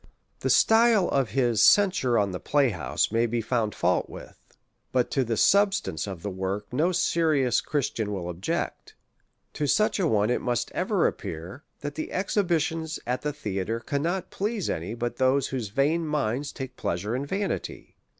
THE REV. W. LAW. XI The style of his censure on the playhouse may be found fault vvith^ but to the substance of the work no serious Christian will object: to suc'i a one it must ever appear^ that the exhibitions at the theatre cannot please any but those wljose vain minds take pleasure in vanity.